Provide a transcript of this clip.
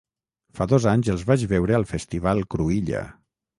Fa dos anys els vaig veure al Festival Cruïlla.